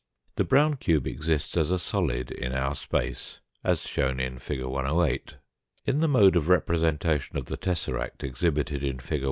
The brown cube exists as a solid in our space, as shown in fig. 108. In the mode of representation of the tesseract exhibited in fig.